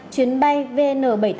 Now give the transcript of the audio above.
chuyến bay vn bảy trăm tám mươi một